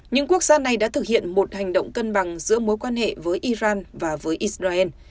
những quốc gia này đã thực hiện một hành động cân bằng giữa mối quan hệ với iran và với israel